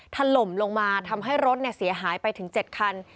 ถล่มลงมาทำให้รถเสียหายไปถึง๗คัน